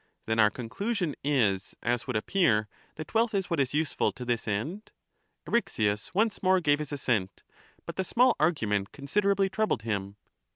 Then our conclusion is, as would appear, that wealth is what is useful to this end? Eryxias once more gave his assent, but .the small argu ment considerably troubled him.